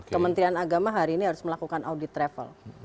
kementerian agama hari ini harus melakukan audit travel